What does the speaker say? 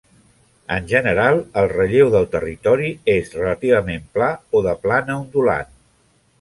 En general, el relleu del territori és relativament pla o de plana ondulant.